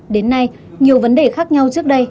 đến nay nhiều vấn đề khác nhau trước đây